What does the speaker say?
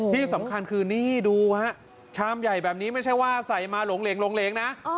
ที่สำคัญคือนี่ดูฮะชามใหญ่แบบนี้ไม่ใช่ว่าใส่มาหลงเหลงนะ